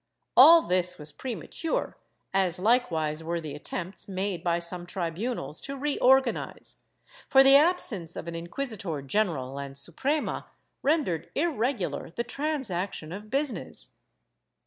^ All this was premature, as likewise were the attempts made by some tribu nals to reorganize, for the al3sence of an inquisitor general and Suprema rendered irregular the transaction of business.